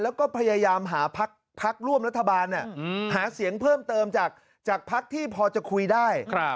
แล้วก็พยายามหาพักร่วมรัฐบาลหาเสียงเพิ่มเติมจากภักดิ์ที่พอจะคุยได้